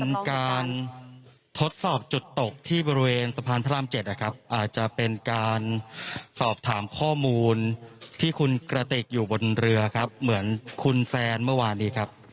มันการทดสอบจุดตกที่บริเวณสะพานพระราม๗นะครับอาจจะเป็นการสอบถามข้อมูลที่คุณกระติกอยู่บนเรือครับเหมือนคุณแซนเมื่อวานนี้ครับ